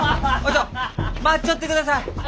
ちょ待っちょってください！